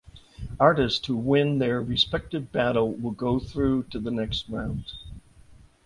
Artist who win their respective battle will go through to the next round.